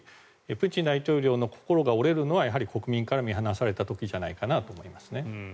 プーチン大統領の心が折れるのはやはり国民から見放された時じゃないかと。